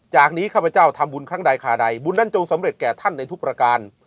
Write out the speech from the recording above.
จากนี้ข้าพเจ้าทำบุญครั้งใดขาใดบุญนั้นจงสำเร็จแก่ท่านในทุกประการ